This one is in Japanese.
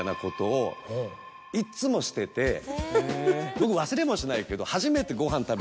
僕忘れもしないけど。